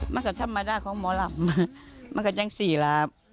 มันก็ธรรมดาของหมอลำมันก็ยังสี่หลาบ